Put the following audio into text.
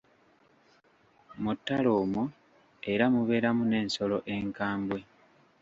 Mu ttale omwo era mubeeramu n'ensolo enkambwe.